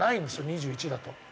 ２１だと。